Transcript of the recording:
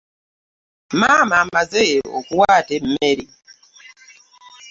Maama amaze okuwaata emmere.